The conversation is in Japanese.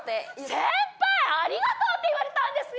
先輩「ありがとう」って言われたんですよ。